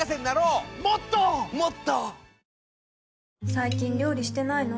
最近料理してないの？